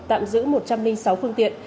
tạm giữ một trăm linh sáu phương tiện